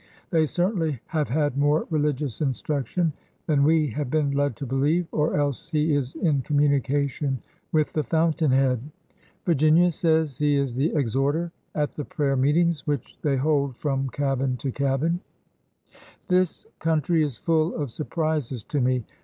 They certainly have had more religious instruction than we have been led to believe, or else he is in communication with the fountainhead. Vir ginia says he is the exhorter at the prayer meetings which they hold from cabin to cabin. 90 ORDER NO. 11 This country is full of surprises to me.